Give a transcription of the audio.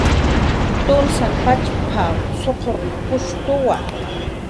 "Tunsan pachp""q suqurkushtuwa"